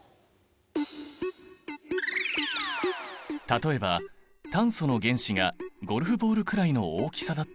例えば炭素の原子がゴルフボールくらいの大きさだったら？